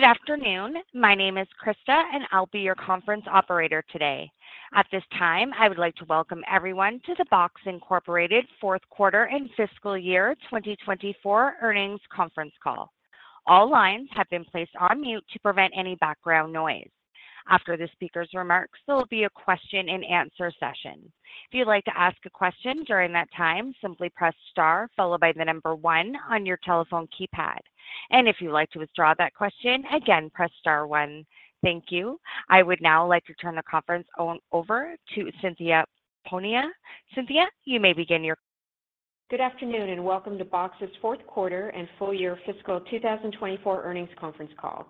Good afternoon. My name is Krista, and I'll be your conference operator today. At this time, I would like to welcome everyone to the Box Incorporated fourth quarter and fiscal year 2024 earnings conference call. All lines have been placed on mute to prevent any background noise. After the speaker's remarks, there will be a question and answer session. If you'd like to ask a question during that time, simply press star followed by the number 1 on your telephone keypad. And if you'd like to withdraw that question, again, press star 1. Thank you. I would now like to turn the conference over to Cynthia Hiponia. Cynthia, you may begin your... Good afternoon, and welcome to Box's fourth quarter and full year fiscal 2024 earnings conference call.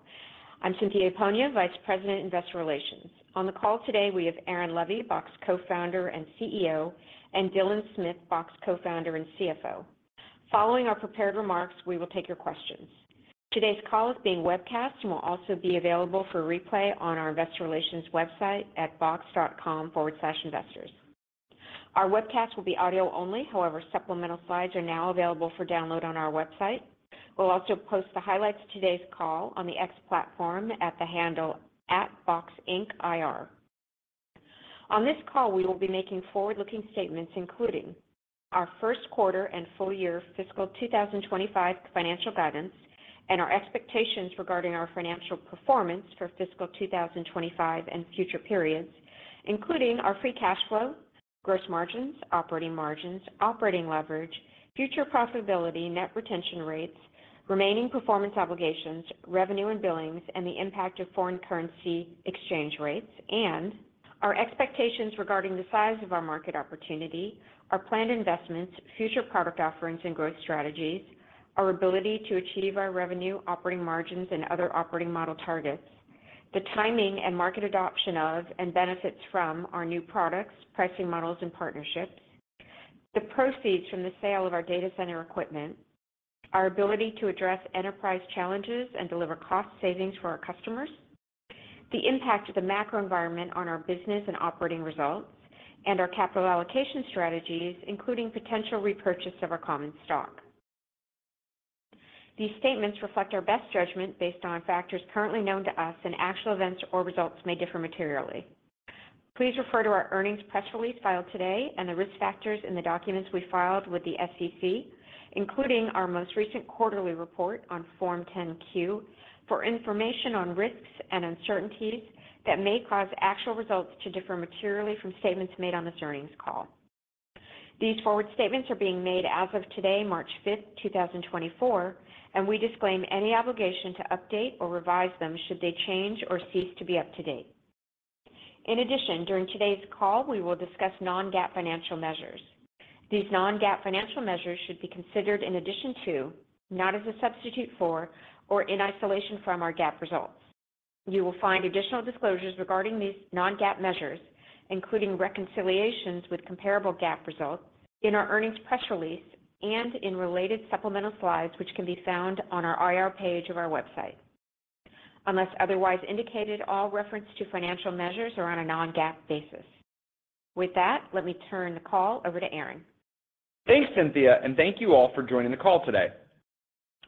I'm Cynthia Hiponia, Vice President, Investor Relations. On the call today, we have Aaron Levie, Box Co-founder and CEO, and Dylan Smith, Box Co-founder and CFO. Following our prepared remarks, we will take your questions. Today's call is being webcast and will also be available for replay on our investor relations website at box.com/investors. Our webcast will be audio only, however, supplemental slides are now available for download on our website. We'll also post the highlights of today's call on the X platform at the handle, @BoxIncIR. On this call, we will be making forward-looking statements, including our first quarter and full year fiscal 2025 financial guidance, and our expectations regarding our financial performance for fiscal 2025 and future periods, including our free cash flow, gross margins, operating margins, operating leverage, future profitability, net retention rates, remaining performance obligations, revenue and billings, and the impact of foreign currency exchange rates, and our expectations regarding the size of our market opportunity, our planned investments, future product offerings, and growth strategies. Our ability to achieve our revenue, operating margins, and other operating model targets, the timing and market adoption of and benefits from our new products, pricing models and partnerships, the proceeds from the sale of our data center equipment, our ability to address enterprise challenges and deliver cost savings for our customers, the impact of the macro environment on our business and operating results, and our capital allocation strategies, including potential repurchase of our common stock. These statements reflect our best judgment based on factors currently known to us, and actual events or results may differ materially. Please refer to our earnings press release filed today and the risk factors in the documents we filed with the SEC, including our most recent quarterly report on Form 10-Q, for information on risks and uncertainties that may cause actual results to differ materially from statements made on this earnings call. These forward statements are being made as of today, March 5, 2024, and we disclaim any obligation to update or revise them should they change or cease to be up to date. In addition, during today's call, we will discuss non-GAAP financial measures. These non-GAAP financial measures should be considered in addition to, not as a substitute for or in isolation from our GAAP results. You will find additional disclosures regarding these non-GAAP measures, including reconciliations with comparable GAAP results in our earnings press release and in related supplemental slides, which can be found on our IR page of our website. Unless otherwise indicated, all reference to financial measures are on a non-GAAP basis. With that, let me turn the call over to Aaron. Thanks, Cynthia, and thank you all for joining the call today.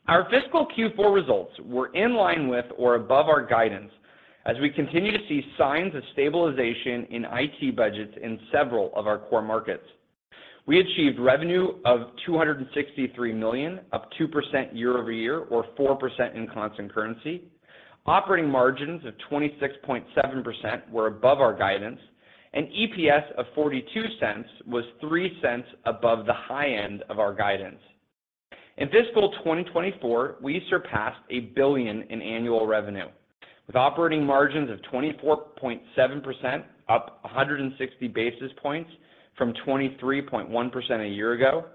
Our fiscal Q4 results were in line with or above our guidance as we continue to see signs of stabilization in IT budgets in several of our core markets. We achieved revenue of $263 million, up 2% year-over-year or 4% in constant currency. Operating margins of 26.7% were above our guidance, and EPS of $0.42 was $0.03 above the high end of our guidance. In fiscal 2024, we surpassed $1 billion in annual revenue, with operating margins of 24.7%, up 160 basis points from 23.1% a year ago.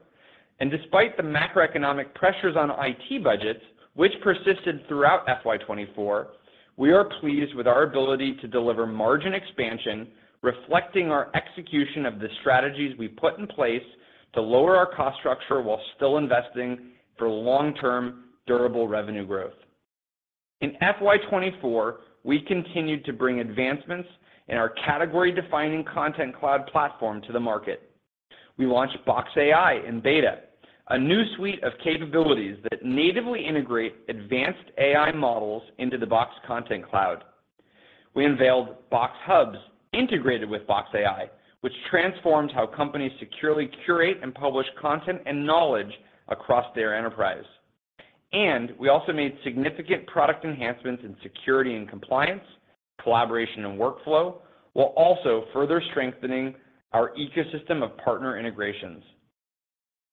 Despite the macroeconomic pressures on IT budgets, which persisted throughout FY 2024, we are pleased with our ability to deliver margin expansion, reflecting our execution of the strategies we put in place to lower our cost structure while still investing for long-term, durable revenue growth. In FY 2024, we continued to bring advancements in our category-defining content cloud platform to the market. We launched Box AI in beta, a new suite of capabilities that natively integrate advanced AI models into the Box Content Cloud. We unveiled Box Hubs, integrated with Box AI, which transforms how companies securely curate and publish content and knowledge across their enterprise. We also made significant product enhancements in security and compliance, collaboration and workflow, while also further strengthening our ecosystem of partner integrations.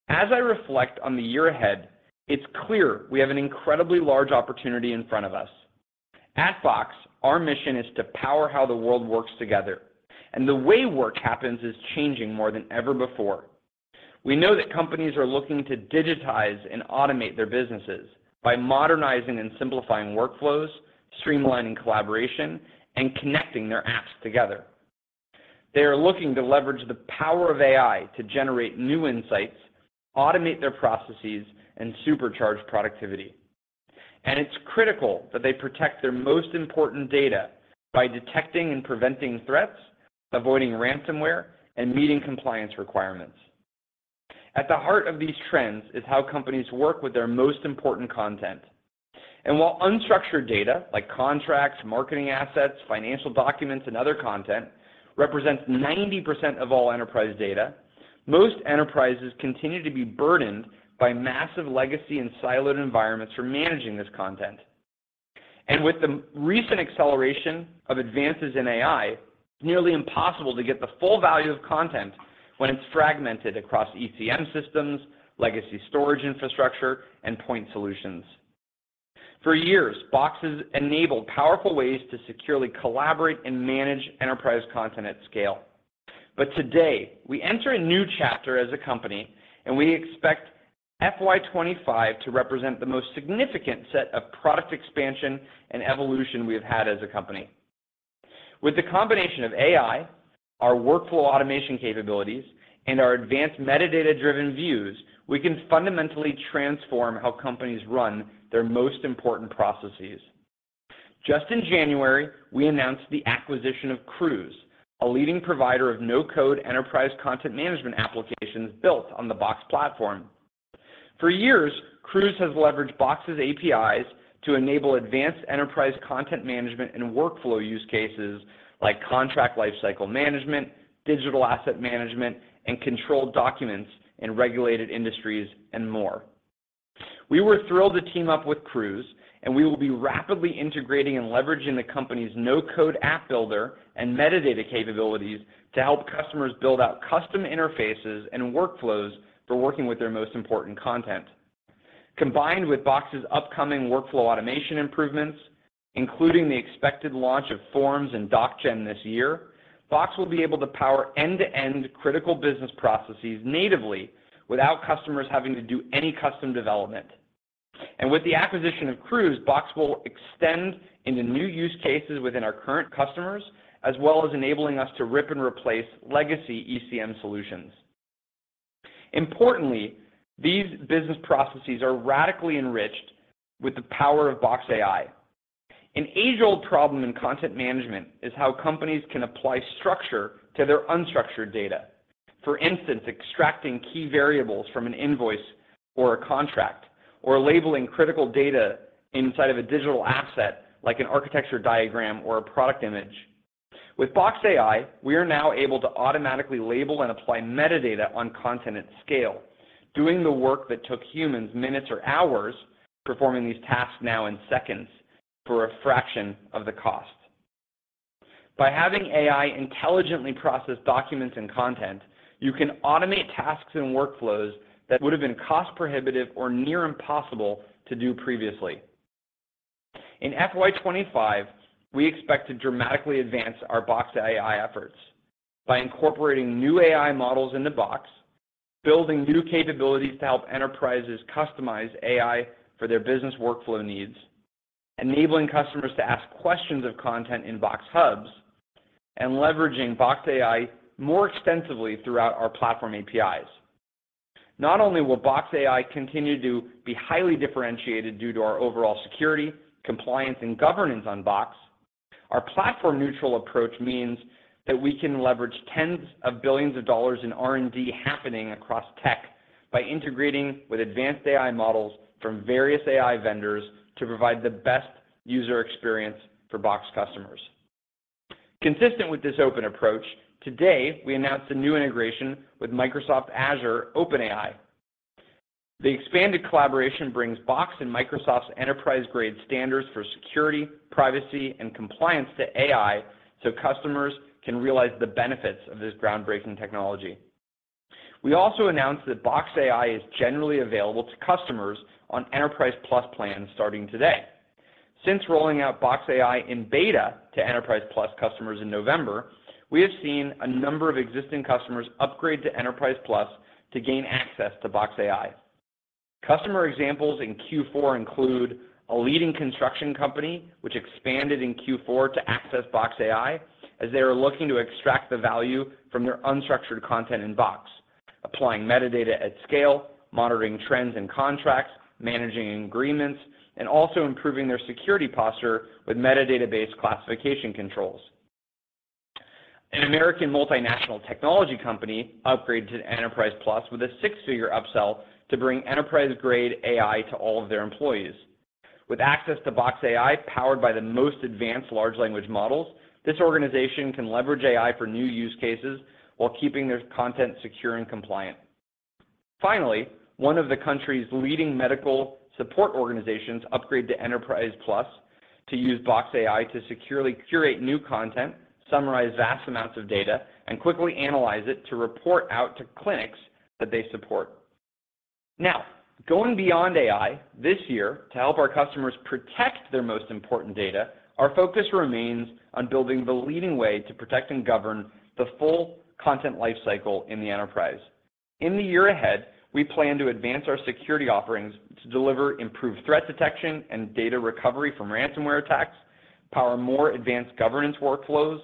As I reflect on the year ahead, it's clear we have an incredibly large opportunity in front of us. At Box, our mission is to power how the world works together, and the way work happens is changing more than ever before. We know that companies are looking to digitize and automate their businesses by modernizing and simplifying workflows, streamlining collaboration, and connecting their apps together. They are looking to leverage the power of AI to generate new insights, automate their processes, and supercharge productivity. And it's critical that they protect their most important data by detecting and preventing threats, avoiding ransomware, and meeting compliance requirements. At the heart of these trends is how companies work with their most important content. And while unstructured data, like contracts, marketing assets, financial documents, and other content, represents 90% of all enterprise data, most enterprises continue to be burdened by massive legacy and siloed environments for managing this content. With the recent acceleration of advances in AI, nearly impossible to get the full value of content when it's fragmented across ECM systems, legacy storage infrastructure, and point solutions. For years, Box has enabled powerful ways to securely collaborate and manage enterprise content at scale. But today, we enter a new chapter as a company, and we expect FY 2025 to represent the most significant set of product expansion and evolution we have had as a company. With the combination of AI, our workflow automation capabilities, and our advanced metadata-driven views, we can fundamentally transform how companies run their most important processes. Just in January, we announced the acquisition of Crooze, a leading provider of no-code enterprise content management applications built on the Box platform. For years, Crooze has leveraged Box's APIs to enable advanced enterprise content management and workflow use cases like contract lifecycle management, digital asset management, and controlled documents in regulated industries, and more. We were thrilled to team up with Crooze, and we will be rapidly integrating and leveraging the company's no-code app builder and metadata capabilities to help customers build out custom interfaces and workflows for working with their most important content. Combined with Box's upcoming workflow automation improvements, including the expected launch of Forms and Doc Gen this year, Box will be able to power end-to-end critical business processes natively without customers having to do any custom development. With the acquisition of Crooze, Box will extend into new use cases within our current customers, as well as enabling us to rip and replace legacy ECM solutions. Importantly, these business processes are radically enriched with the power of Box AI. An age-old problem in content management is how companies can apply structure to their unstructured data. For instance, extracting key variables from an invoice or a contract, or labeling critical data inside of a digital asset, like an architecture diagram or a product image. With Box AI, we are now able to automatically label and apply metadata on content at scale, doing the work that took humans minutes or hours, performing these tasks now in seconds for a fraction of the cost. By having AI intelligently process documents and content, you can automate tasks and workflows that would have been cost-prohibitive or near impossible to do previously. In FY 25, we expect to dramatically advance our Box AI efforts by incorporating new AI models into Box, building new capabilities to help enterprises customize AI for their business workflow needs, enabling customers to ask questions of content in Box Hubs, and leveraging Box AI more extensively throughout our platform APIs. Not only will Box AI continue to be highly differentiated due to our overall security, compliance, and governance on Box, our platform-neutral approach means that we can leverage tens of billions of dollars in R&D happening across tech by integrating with advanced AI models from various AI vendors to provide the best user experience for Box customers. Consistent with this open approach, today, we announced a new integration with Microsoft Azure OpenAI. The expanded collaboration brings Box and Microsoft's enterprise-grade standards for security, privacy, and compliance to AI, so customers can realize the benefits of this groundbreaking technology. We also announced that Box AI is generally available to customers on Enterprise Plus plans starting today. Since rolling out Box AI in beta to Enterprise Plus customers in November, we have seen a number of existing customers upgrade to Enterprise Plus to gain access to Box AI. Customer examples in Q4 include a leading construction company, which expanded in Q4 to access Box AI, as they are looking to extract the value from their unstructured content in Box, applying metadata at scale, monitoring trends and contracts, managing agreements, and also improving their security posture with metadata-based classification controls. An American multinational technology company upgraded to Enterprise Plus with a six-figure upsell to bring enterprise-grade AI to all of their employees. With access to Box AI, powered by the most advanced large language models, this organization can leverage AI for new use cases while keeping their content secure and compliant. Finally, one of the country's leading medical support organizations upgraded to Enterprise Plus to use Box AI to securely curate new content, summarize vast amounts of data, and quickly analyze it to report out to clinics that they support. Now, going beyond AI, this year, to help our customers protect their most important data, our focus remains on building the leading way to protect and govern the full content lifecycle in the enterprise. In the year ahead, we plan to advance our security offerings to deliver improved threat detection and data recovery from ransomware attacks, power more advanced governance workflows,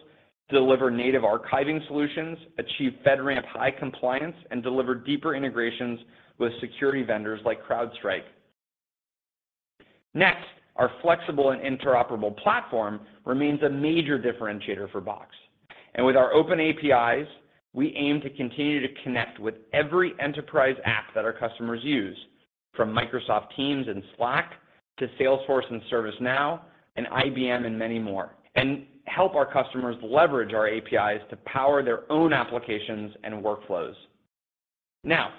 deliver native archiving solutions, achieve FedRAMP High compliance, and deliver deeper integrations with security vendors like CrowdStrike. Next, our flexible and interoperable platform remains a major differentiator for Box. With our open APIs, we aim to continue to connect with every enterprise app that our customers use, from Microsoft Teams and Slack to Salesforce and ServiceNow, and IBM and many more, and help our customers leverage our APIs to power their own applications and workflows. Now,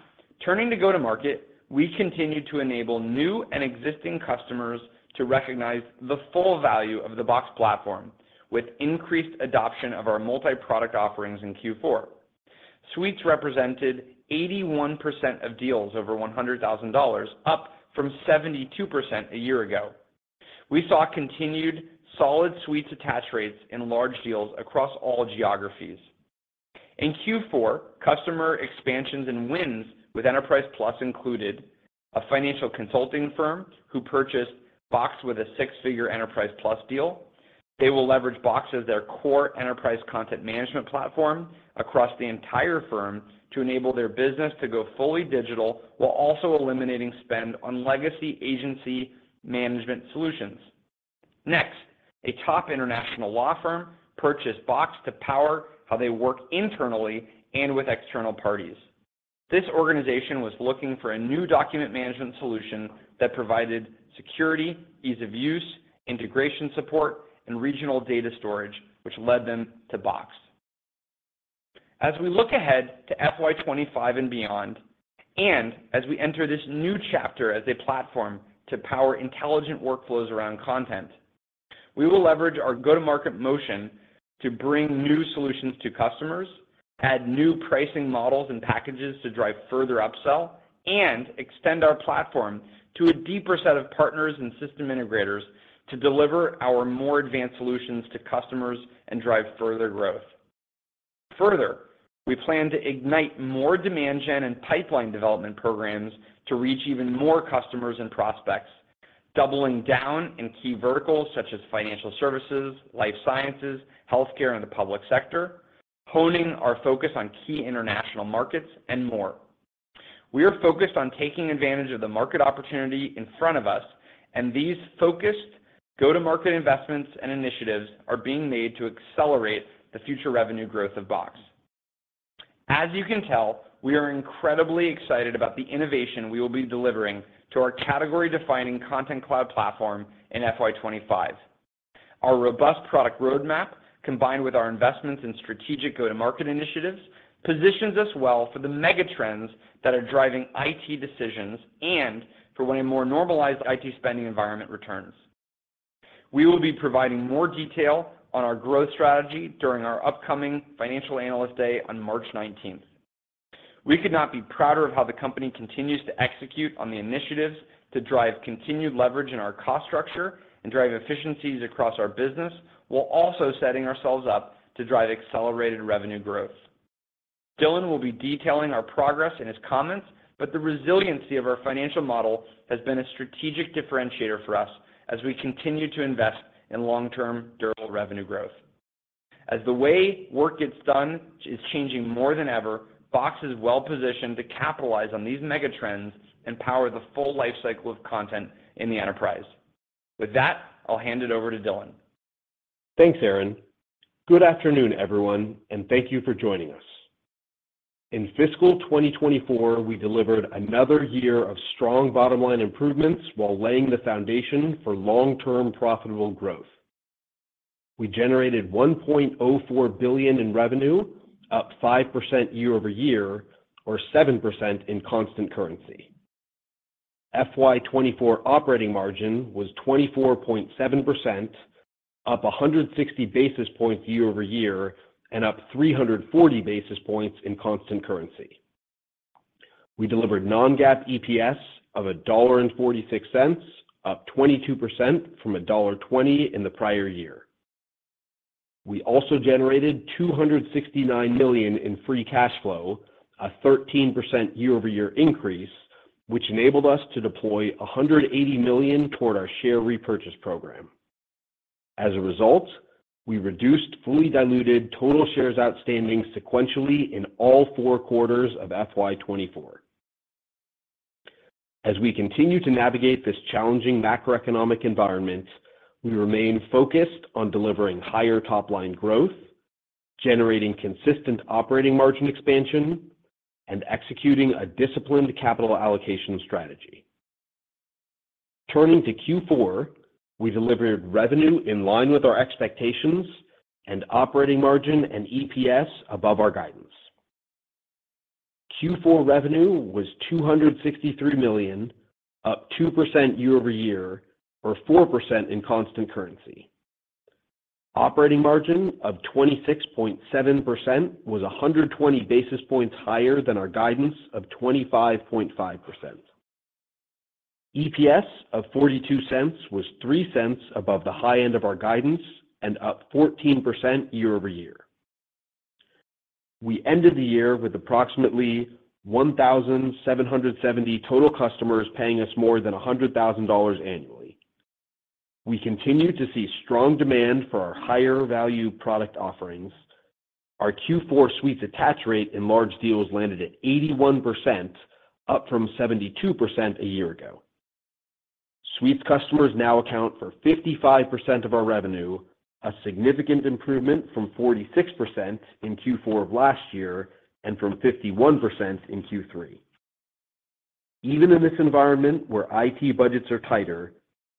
turning to go-to-market, we continue to enable new and existing customers to recognize the full value of the Box platform, with increased adoption of our multi-product offerings in Q4. Suites represented 81% of deals over $100,000, up from 72% a year ago. We saw continued solid suites attach rates in large deals across all geographies. In Q4, customer expansions and wins with Enterprise Plus included: a financial consulting firm who purchased Box with a six-figure Enterprise Plus deal. They will leverage Box as their core enterprise content management platform across the entire firm to enable their business to go fully digital, while also eliminating spend on legacy agency management solutions. Next, a top international law firm purchased Box to power how they work internally and with external parties. This organization was looking for a new document management solution that provided security, ease of use, integration support, and regional data storage, which led them to Box. As we look ahead to FY 25 and beyond, and as we enter this new chapter as a platform to power intelligent workflows around content, we will leverage our go-to-market motion to bring new solutions to customers, add new pricing models and packages to drive further upsell, and extend our platform to a deeper set of partners and system integrators to deliver our more advanced solutions to customers and drive further growth. Further, we plan to ignite more demand gen and pipeline development programs to reach even more customers and prospects, doubling down in key verticals such as financial services, life sciences, healthcare, and the public sector, honing our focus on key international markets, and more. We are focused on taking advantage of the market opportunity in front of us, and these focused go-to-market investments and initiatives are being made to accelerate the future revenue growth of Box. As you can tell, we are incredibly excited about the innovation we will be delivering to our category-defining Content Cloud platform in FY 25. Our robust product roadmap, combined with our investments in strategic go-to-market initiatives, positions us well for the mega trends that are driving IT decisions and for when a more normalized IT spending environment returns. We will be providing more detail on our growth strategy during our upcoming Financial Analyst Day on March nineteenth. We could not be prouder of how the company continues to execute on the initiatives to drive continued leverage in our cost structure and drive efficiencies across our business, while also setting ourselves up to drive accelerated revenue growth. Dylan will be detailing our progress in his comments, but the resiliency of our financial model has been a strategic differentiator for us as we continue to invest in long-term, durable revenue growth. As the way work gets done is changing more than ever, Box is well positioned to capitalize on these mega trends and power the full lifecycle of content in the enterprise. With that, I'll hand it over to Dylan. Thanks, Aaron. Good afternoon, everyone, and thank you for joining us. In fiscal 2024, we delivered another year of strong bottom-line improvements while laying the foundation for long-term, profitable growth. We generated $1.04 billion in revenue, up 5% year over year, or 7% in constant currency. FY 2024 operating margin was 24.7%, up 160 basis points year over year, and up 340 basis points in constant currency. We delivered non-GAAP EPS of $1.46, up 22% from $1.20 in the prior year. We also generated $269 million in free cash flow, a 13% year-over-year increase, which enabled us to deploy $180 million toward our share repurchase program. As a result, we reduced fully diluted total shares outstanding sequentially in all 4 quarters of FY 2024. As we continue to navigate this challenging macroeconomic environment, we remain focused on delivering higher top-line growth, generating consistent operating margin expansion, and executing a disciplined capital allocation strategy. Turning to Q4, we delivered revenue in line with our expectations and operating margin and EPS above our guidance. Q4 revenue was $263 million, up 2% year-over-year, or 4% in constant currency. Operating margin of 26.7% was 120 basis points higher than our guidance of 25.5%. EPS of $0.42 was $0.03 above the high end of our guidance and up 14% year-over-year. We ended the year with approximately 1,770 total customers paying us more than $100,000 annually. We continue to see strong demand for our higher value product offerings. Our Q4 suites attach rate in large deals landed at 81%, up from 72% a year ago. Suites customers now account for 55% of our revenue, a significant improvement from 46% in Q4 of last year and from 51% in Q3. Even in this environment where IT budgets are tighter,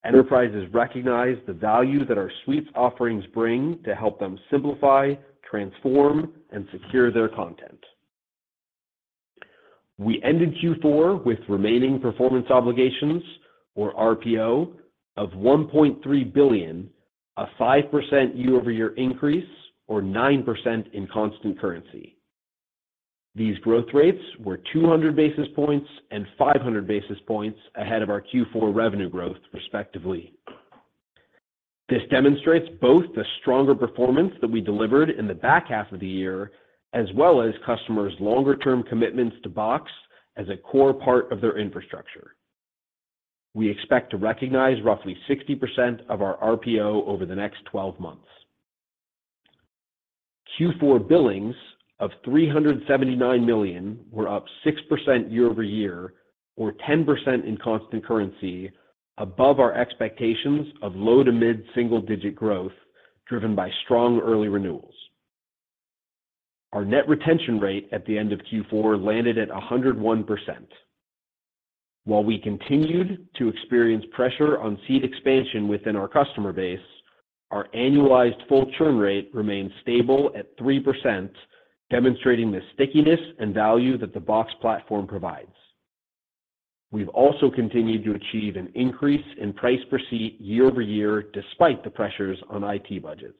enterprises recognize the value that our suites offerings bring to help them simplify, transform, and secure their content. We ended Q4 with remaining performance obligations, or RPO, of $1.3 billion, a 5% year-over-year increase, or 9% in constant currency. These growth rates were 200 basis points and 500 basis points ahead of our Q4 revenue growth, respectively. This demonstrates both the stronger performance that we delivered in the back half of the year, as well as customers' longer-term commitments to Box as a core part of their infrastructure. We expect to recognize roughly 60% of our RPO over the next twelve months. Q4 billings of $379 million were up 6% year-over-year, or 10% in constant currency, above our expectations of low-to-mid single-digit growth, driven by strong early renewals. Our net retention rate at the end of Q4 landed at 101%. While we continued to experience pressure on seat expansion within our customer base, our annualized full churn rate remains stable at 3%, demonstrating the stickiness and value that the Box platform provides. We've also continued to achieve an increase in price per seat year over year, despite the pressures on IT budgets.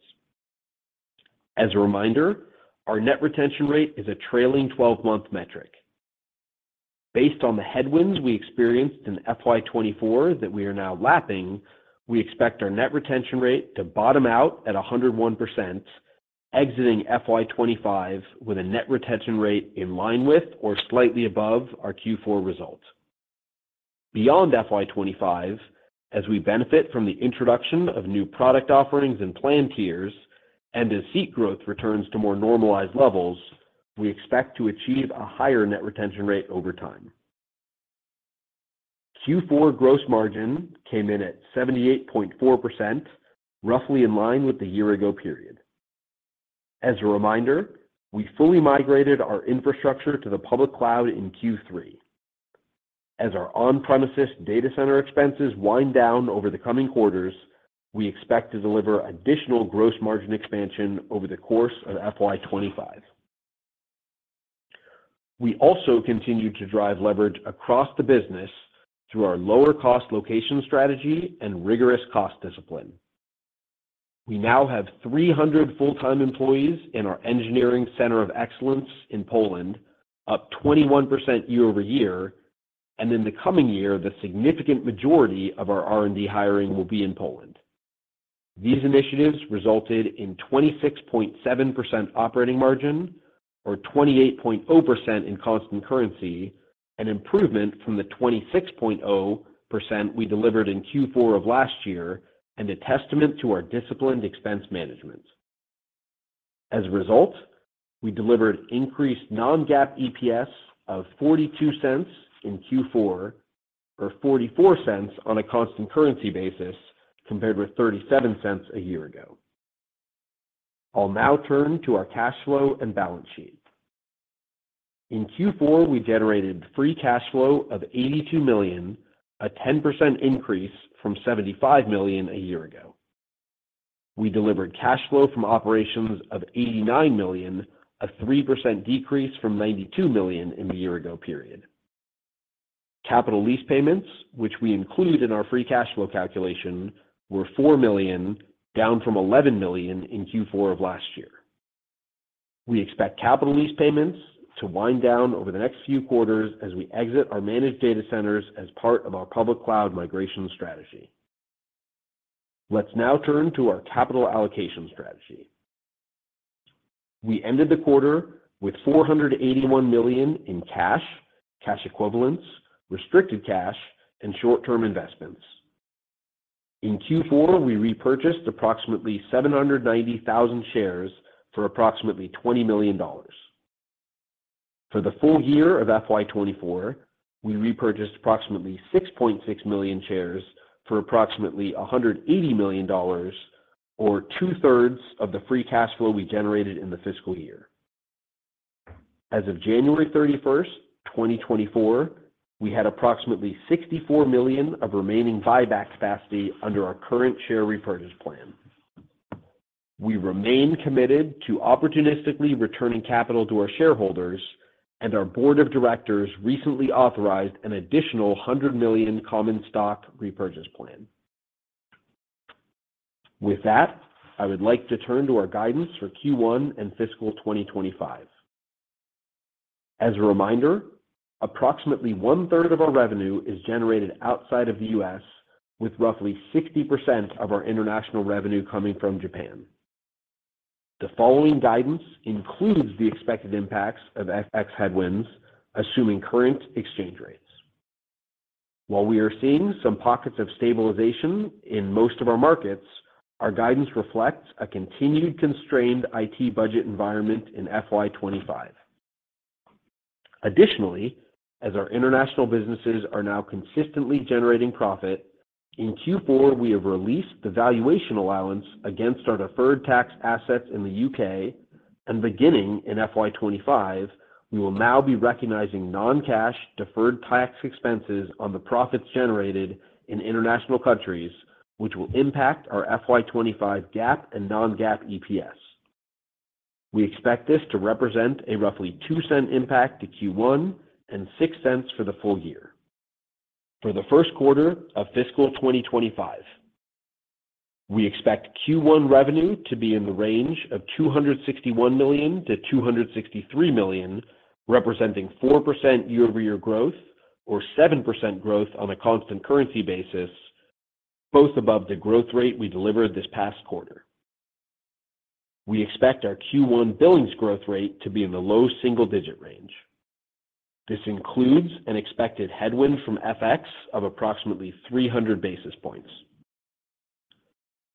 As a reminder, our net retention rate is a trailing twelve-month metric. Based on the headwinds we experienced in FY 2024 that we are now lapping, we expect our net retention rate to bottom out at 101%, exiting FY 2025 with a net retention rate in line with or slightly above our Q4 results. Beyond FY 2025, as we benefit from the introduction of new product offerings and plan tiers, and as seat growth returns to more normalized levels, we expect to achieve a higher net retention rate over time. Q4 gross margin came in at 78.4%, roughly in line with the year ago period. As a reminder, we fully migrated our infrastructure to the public cloud in Q3. As our on-premises data center expenses wind down over the coming quarters, we expect to deliver additional gross margin expansion over the course of FY 25. We also continue to drive leverage across the business through our lower-cost location strategy and rigorous cost discipline. We now have 300 full-time employees in our Engineering Center of Excellence in Poland, up 21% year-over-year, and in the coming year, the significant majority of our R&D hiring will be in Poland. These initiatives resulted in 26.7% operating margin or 28.0% in constant currency, an improvement from the 26.0% we delivered in Q4 of last year, and a testament to our disciplined expense management. As a result, we delivered increased non-GAAP EPS of $0.42 in Q4, or $0.44 on a constant currency basis, compared with $0.37 a year ago. I'll now turn to our cash flow and balance sheet. In Q4, we generated free cash flow of $82 million, a 10% increase from $75 million a year ago. We delivered cash flow from operations of $89 million, a 3% decrease from $92 million in the year ago period. Capital lease payments, which we include in our free cash flow calculation, were $4 million, down from $11 million in Q4 of last year. We expect capital lease payments to wind down over the next few quarters as we exit our managed data centers as part of our public cloud migration strategy. Let's now turn to our capital allocation strategy. We ended the quarter with $481 million in cash, cash equivalents, restricted cash, and short-term investments. In Q4, we repurchased approximately 790,000 shares for approximately $20 million. For the full year of FY 2024, we repurchased approximately 6.6 million shares for approximately $180 million, or two-thirds of the free cash flow we generated in the fiscal year. As of January 31, 2024, we had approximately $64 million of remaining buyback capacity under our current share repurchase plan. We remain committed to opportunistically returning capital to our shareholders, and our board of directors recently authorized an additional $100 million common stock repurchase plan. With that, I would like to turn to our guidance for Q1 and fiscal 2025. As a reminder, approximately one-third of our revenue is generated outside of the US, with roughly 60% of our international revenue coming from Japan.... The following guidance includes the expected impacts of FX headwinds, assuming current exchange rates. While we are seeing some pockets of stabilization in most of our markets, our guidance reflects a continued constrained IT budget environment in FY 2025. Additionally, as our international businesses are now consistently generating profit, in Q4, we have released the valuation allowance against our deferred tax assets in the U.K., and beginning in FY 2025, we will now be recognizing non-cash deferred tax expenses on the profits generated in international countries, which will impact our FY 2025 GAAP and non-GAAP EPS. We expect this to represent a roughly $0.02 impact to Q1 and $0.06 for the full year. For the first quarter of fiscal 2025, we expect Q1 revenue to be in the range of $261 million-$263 million, representing 4% year-over-year growth or 7% growth on a constant currency basis, both above the growth rate we delivered this past quarter. We expect our Q1 billings growth rate to be in the low single-digit range. This includes an expected headwind from FX of approximately 300 basis points.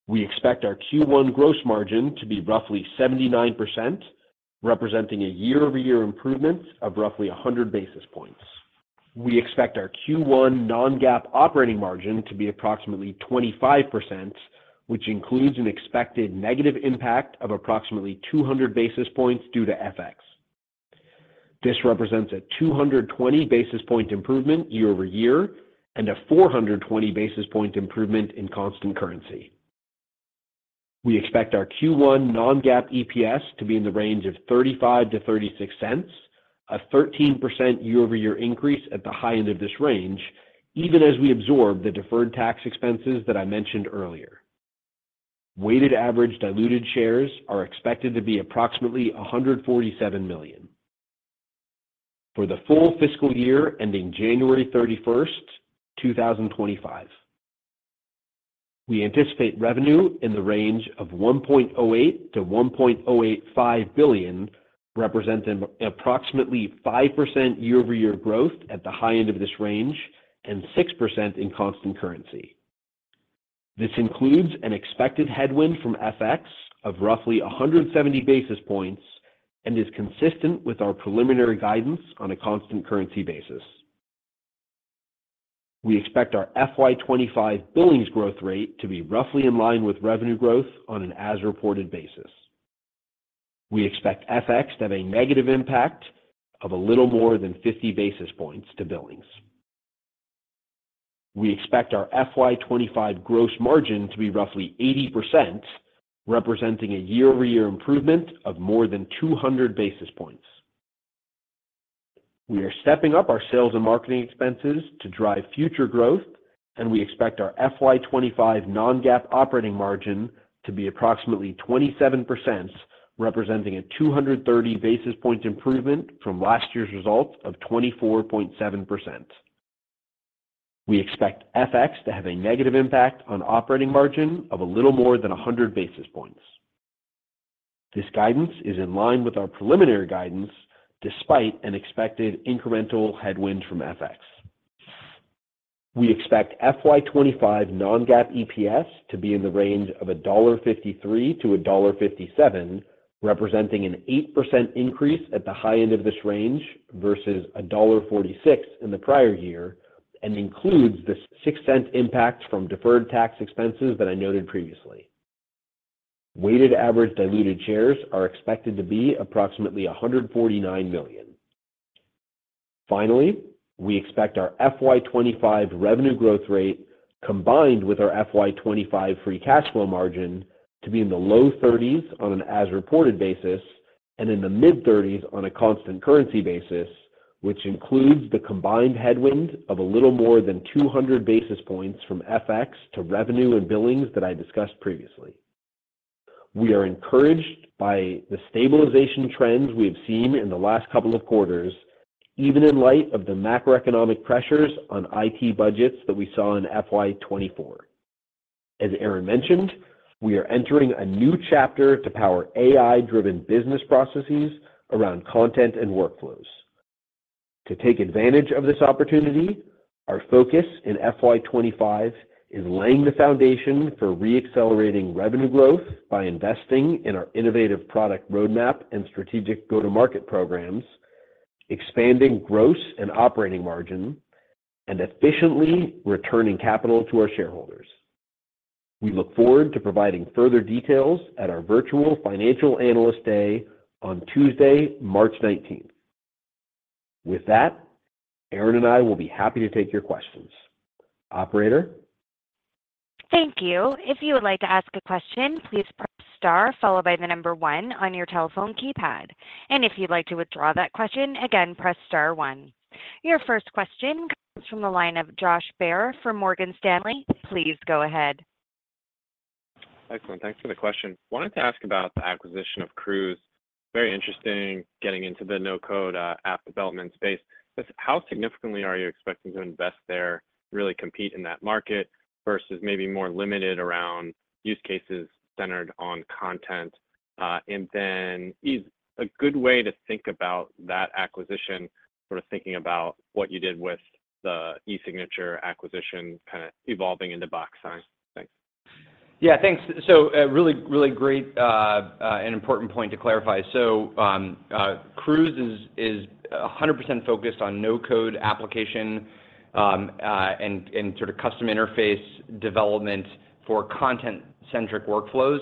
We expect our Q1 gross margin to be roughly 79%, representing a year-over-year improvement of roughly 100 basis points. We expect our Q1 non-GAAP operating margin to be approximately 25%, which includes an expected negative impact of approximately 200 basis points due to FX. This represents a 220 basis point improvement year-over-year and a 420 basis point improvement in constant currency. We expect our Q1 non-GAAP EPS to be in the range of 35-36 cents, a 13% year-over-year increase at the high end of this range, even as we absorb the deferred tax expenses that I mentioned earlier. Weighted average diluted shares are expected to be approximately 147 million. For the full fiscal year ending January 31st, 2025, we anticipate revenue in the range of $1.08-$1.085 billion, representing approximately 5% year-over-year growth at the high end of this range and 6% in constant currency. This includes an expected headwind from FX of roughly 170 basis points and is consistent with our preliminary guidance on a constant currency basis. We expect our FY 2025 billings growth rate to be roughly in line with revenue growth on an as-reported basis. We expect FX to have a negative impact of a little more than 50 basis points to billings. We expect our FY 2025 gross margin to be roughly 80%, representing a year-over-year improvement of more than 200 basis points. We are stepping up our sales and marketing expenses to drive future growth, and we expect our FY 2025 non-GAAP operating margin to be approximately 27%, representing a 230 basis point improvement from last year's results of 24.7%. We expect FX to have a negative impact on operating margin of a little more than 100 basis points. This guidance is in line with our preliminary guidance, despite an expected incremental headwind from FX. We expect FY 2025 non-GAAP EPS to be in the range of $1.53-$1.57, representing an 8% increase at the high end of this range versus $1.46 in the prior year, and includes the $0.06 impact from deferred tax expenses that I noted previously. Weighted average diluted shares are expected to be approximately 149 million. Finally, we expect our FY 2025 revenue growth rate, combined with our FY 2025 free cash flow margin, to be in the low 30s on an as-reported basis and in the mid-30s on a constant currency basis, which includes the combined headwind of a little more than 200 basis points from FX to revenue and billings that I discussed previously. We are encouraged by the stabilization trends we have seen in the last couple of quarters, even in light of the macroeconomic pressures on IT budgets that we saw in FY 2024. As Aaron mentioned, we are entering a new chapter to power AI-driven business processes around content and workflows. To take advantage of this opportunity, our focus in FY 25 is laying the foundation for re-accelerating revenue growth by investing in our innovative product roadmap and strategic go-to-market programs, expanding gross and operating margin, and efficiently returning capital to our shareholders. We look forward to providing further details at our virtual Financial Analyst Day on Tuesday, March nineteenth. With that, Aaron and I will be happy to take your questions. Operator? Thank you. If you would like to ask a question, please press star followed by the number one on your telephone keypad, and if you'd like to withdraw that question again, press star one. Your first question comes from the line of Josh Baer for Morgan Stanley. Please go ahead. Excellent. Thanks for the question. Wanted to ask about the acquisition of Crooze? Very interesting, getting into the no-code app development space. But how significantly are you expecting to invest there, really compete in that market, versus maybe more limited around use cases centered on content? And then is a good way to think about that acquisition, sort of thinking about what you did with the e-signature acquisition kind of evolving into Box Sign? Thanks. Yeah, thanks. So, really, really great, and important point to clarify. So, Crooze is a hundred percent focused on no-code application, and sort of custom interface development for content-centric workflows.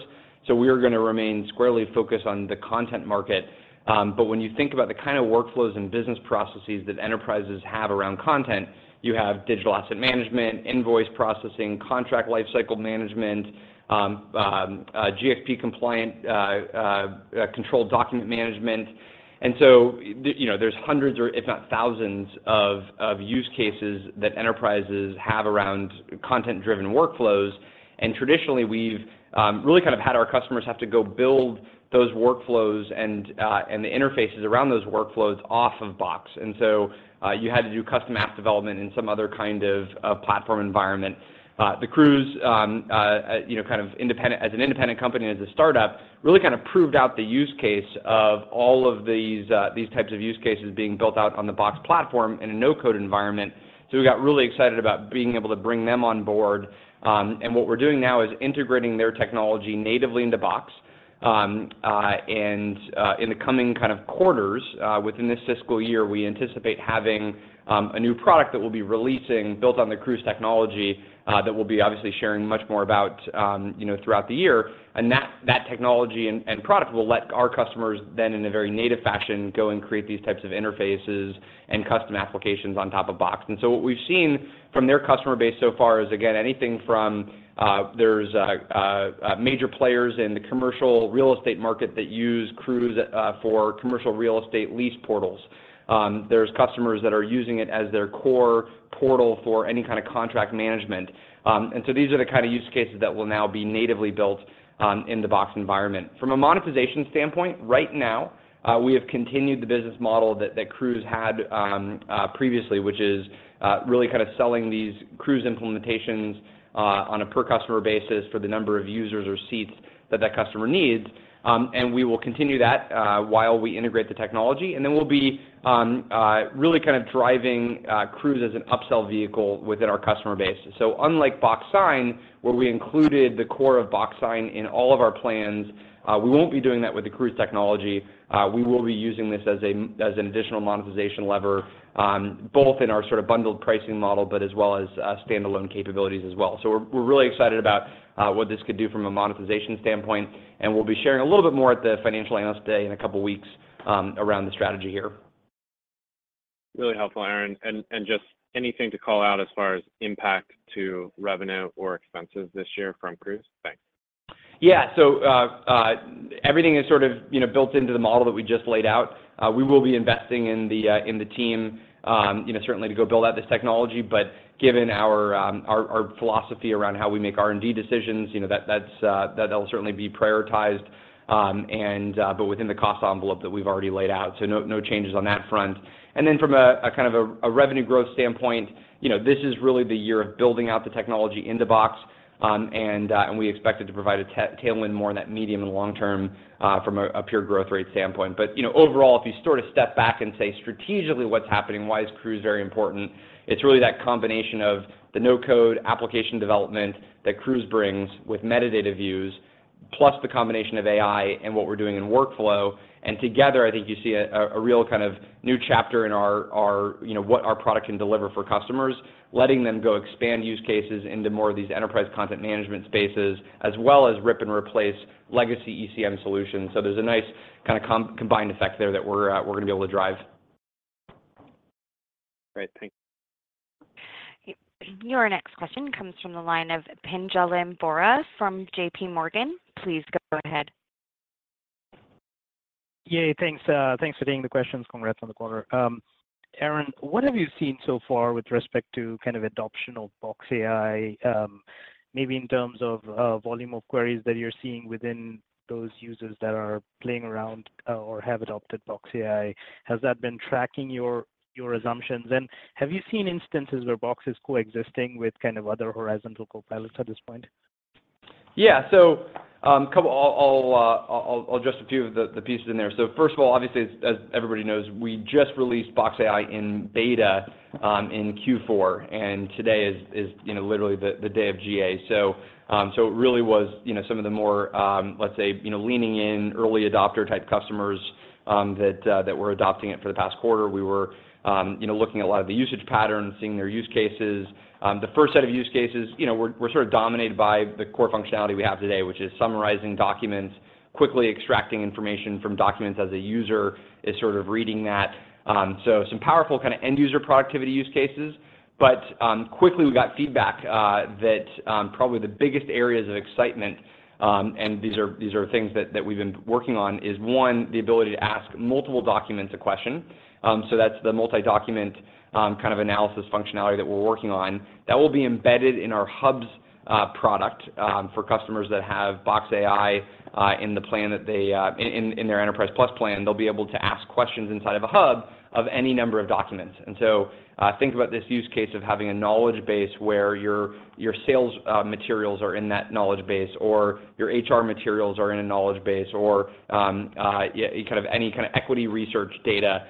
So we are gonna remain squarely focused on the content market. But when you think about the kind of workflows and business processes that enterprises have around content, you have digital asset management, invoice processing, contract lifecycle management, GxP-compliant controlled document management. And so, you know, there's hundreds, if not thousands, of use cases that enterprises have around content-driven workflows. And traditionally, we've really kind of had our customers have to go build those workflows and the interfaces around those workflows off of Box. And so, you had to do custom app development in some other kind of platform environment. The Crooze, you know, kind of independent—as an independent company and as a startup, really kind of proved out the use case of all of these, these types of use cases being built out on the Box platform in a no-code environment. So we got really excited about being able to bring them on board. And what we're doing now is integrating their technology natively into Box. And, in the coming kind of quarters, within this fiscal year, we anticipate having a new product that we'll be releasing built on the Crooze technology, that we'll be obviously sharing much more about, you know, throughout the year. And that technology and product will let our customers then, in a very native fashion, go and create these types of interfaces and custom applications on top of Box. And so what we've seen from their customer base so far is, again, anything from. There's major players in the commercial real estate market that use Crooze for commercial real estate lease portals. There's customers that are using it as their core portal for any kind of contract management. And so these are the kind of use cases that will now be natively built in the Box environment. From a monetization standpoint, right now, we have continued the business model that, that Crooze had, previously, which is, really kind of selling these Crooze implementations, on a per customer basis for the number of users or seats that that customer needs. And we will continue that, while we integrate the technology, and then we'll be, really kind of driving, Crooze as an upsell vehicle within our customer base. So unlike Box Sign, where we included the core of Box Sign in all of our plans, we won't be doing that with the Crooze technology. We will be using this as a, as an additional monetization lever, both in our sort of bundled pricing model, but as well as, standalone capabilities as well. So we're really excited about what this could do from a monetization standpoint, and we'll be sharing a little bit more at the Financial Analyst Day in a couple of weeks around the strategy here. Really helpful, Aaron. And, just anything to call out as far as impact to revenue or expenses this year from Crooze? Thanks. Yeah, so everything is sort of, you know, built into the model that we just laid out. We will be investing in the team, you know, certainly to go build out this technology. But given our philosophy around how we make R&D decisions, you know, that's, that'll certainly be prioritized, but within the cost envelope that we've already laid out. So no, no changes on that front. And then from a kind of revenue growth standpoint, you know, this is really the year of building out the technology into Box. And we expect it to provide a tailwind more in that medium and long term, from a pure growth rate standpoint. But, you know, overall, if you sort of step back and say, strategically, what's happening, why is Crooze very important? It's really that combination of the no-code application development that Crooze brings with metadata views, plus the combination of AI and what we're doing in workflow. And together, I think you see a real kind of new chapter in our, our, you know, what our product can deliver for customers, letting them go expand use cases into more of these enterprise content management spaces, as well as rip and replace legacy ECM solutions. So there's a nice kind of combined effect there that we're gonna be able to drive. Great. Thank you. Your next question comes from the line of Pinjalim Bora from J.P. Morgan. Please go ahead. Yeah, thanks. Thanks for taking the questions. Congrats on the quarter. Aaron, what have you seen so far with respect to kind of adoption of Box AI, maybe in terms of volume of queries that you're seeing within those users that are playing around or have adopted Box AI? Has that been tracking your assumptions? And have you seen instances where Box is coexisting with kind of other horizontal Copilot at this point? Yeah. So, couple... I'll just a few of the pieces in there. So first of all, obviously, as everybody knows, we just released Box AI in beta in Q4, and today is, you know, literally the day of GA. So it really was, you know, some of the more, let's say, you know, leaning in, early adopter-type customers that were adopting it for the past quarter. We were, you know, looking at a lot of the usage patterns, seeing their use cases. The first set of use cases, you know, were sort of dominated by the core functionality we have today, which is summarizing documents, quickly extracting information from documents as a user is sort of reading that. So some powerful kind of end user productivity use cases. But, quickly, we got feedback that probably the biggest areas of excitement, and these are things that we've been working on: one, the ability to ask multiple documents a question. So that's the multi-document kind of analysis functionality that we're working on. That will be embedded in our Hubs product for customers that have Box AI in the plan that they in their Enterprise Plus plan; they'll be able to ask questions inside of a Hub of any number of documents. And so, think about this use case of having a knowledge base where your sales materials are in that knowledge base, or your HR materials are in a knowledge base, or kind of any kind of equity research data.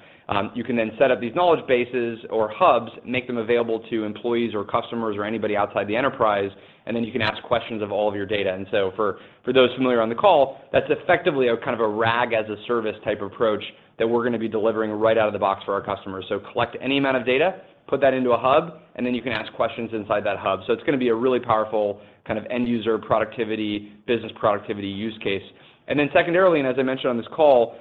You can then set up these knowledge bases or hubs, make them available to employees or customers or anybody outside the enterprise, and then you can ask questions of all of your data. And so for, for those familiar on the call, that's effectively a kind of a RAG as a service type approach that we're gonna be delivering right out of the box for our customers. So collect any amount of data, put that into a hub, and then you can ask questions inside that hub. So it's gonna be a really powerful kind of end user productivity, business productivity use case. And then secondarily, and as I mentioned on this call,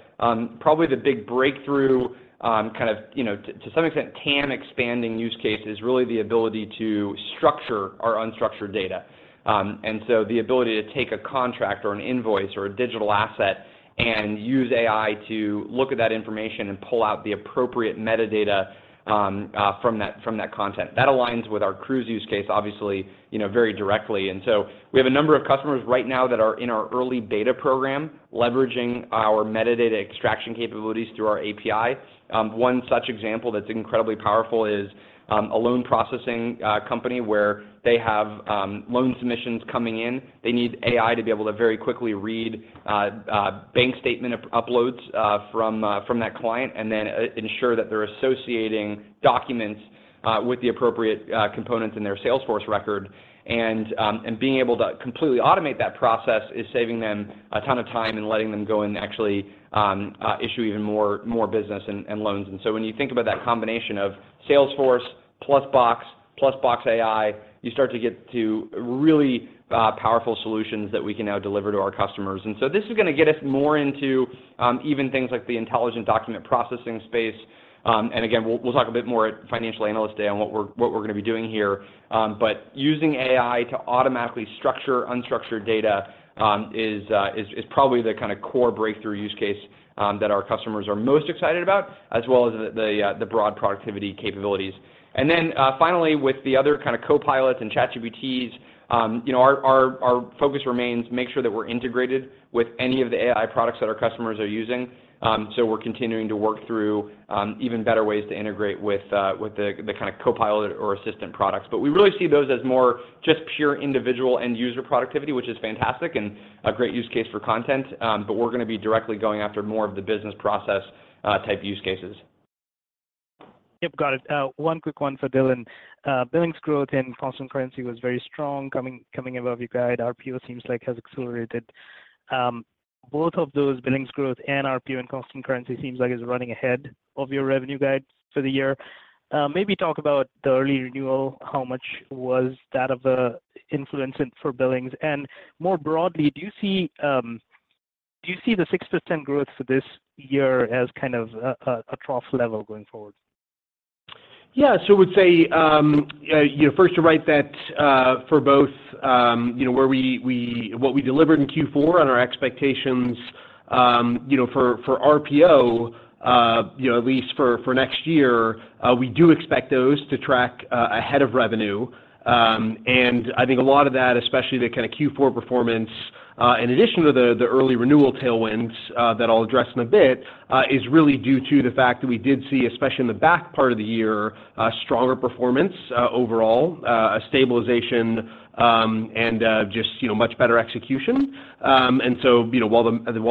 probably the big breakthrough, kind of, you know, to, to some extent, than expanding use case is really the ability to structure our unstructured data. The ability to take a contract or an invoice or a digital asset and use AI to look at that information and pull out the appropriate metadata, from that content. That aligns with our Crooze use case, obviously, you know, very directly. We have a number of customers right now that are in our early beta program, leveraging our metadata extraction capabilities through our API. One such example that's incredibly powerful is a loan processing company where they have loan submissions coming in. They need AI to be able to very quickly read bank statement uploads from that client, and then ensure that they're associating documents with the appropriate components in their Salesforce record. Being able to completely automate that process is saving them a ton of time and letting them go and actually issue even more business and loans. And so when you think about that combination of Salesforce plus Box, plus Box AI, you start to get to really powerful solutions that we can now deliver to our customers. And so this is gonna get us more into even things like the Intelligent Document Processing space. And again, we'll talk a bit more at Financial Analyst Day on what we're gonna be doing here. But using AI to automatically structure unstructured data is probably the kind of core breakthrough use case that our customers are most excited about, as well as the broad productivity capabilities. And then, finally, with the other kind of Copilots and ChatGPT, you know, our focus remains to make sure that we're integrated with any of the AI products that our customers are using. So we're continuing to work through even better ways to integrate with the kind of Copilot or assistant products. But we really see those as more just pure individual end user productivity, which is fantastic and a great use case for content. But we're gonna be directly going after more of the business process type use cases. Yep, got it. One quick one for Dylan. Billings growth in constant currency was very strong, coming, coming above your guide. RPO seems like has accelerated. Both of those billings growth and RPO in constant currency seems like is running ahead of your revenue guide for the year. Maybe talk about the early renewal, how much was that of a influence in for billings? And more broadly, do you see, do you see the 6% growth for this year as kind of a, a, a trough level going forward? Yeah. So I would say, you know, first, you're right, that, for both, you know, where we—what we delivered in Q4 on our expectations, you know, for RPO, you know, at least for next year, we do expect those to track, ahead of revenue. And I think a lot of that, especially the kind of Q4 performance, in addition to the early renewal tailwinds, that I'll address in a bit, is really due to the fact that we did see, especially in the back part of the year, stronger performance, overall, a stabilization, and just, you know, much better execution. And so, you know, while